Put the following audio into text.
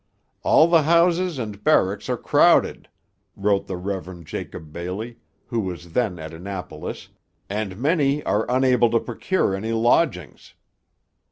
'All the houses and barracks are crowded,' wrote the Rev. Jacob Bailey, who was then at Annapolis, 'and many are unable to procure any lodgings.'